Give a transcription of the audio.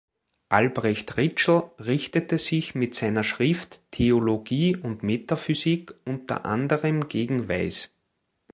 Albrecht Ritschl richtete sich mit seiner Schrift "Theologie und Metaphysik" unter anderem gegen Weiß.